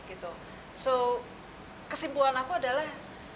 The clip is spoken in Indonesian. kesimpulan aku adalah